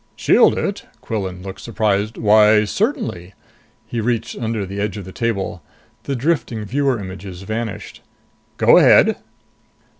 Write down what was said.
"Shield it?" Quillan looked surprised. "Why, certainly!" He reached under the edge of the table. The drifting viewer images vanished. "Go ahead."